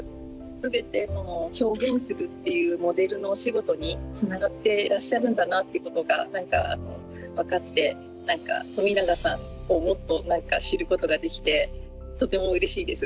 全てその表現するっていうモデルのお仕事につながっていらっしゃるんだなっていうことが何か分かって冨永さんをもっと知ることができてとてもうれしいです。